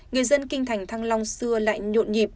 người dân kinh thành thăng long xưa lại nhộn nhịp